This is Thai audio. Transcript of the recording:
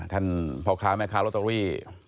ท่านพ่อค้าแม่ค้าโรตเตอรี่